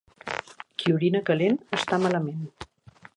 Qui orina calent està malament.